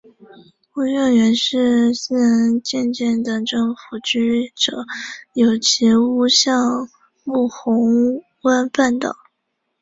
屋苑原本是私人参建的政府居者有其屋项目红湾半岛。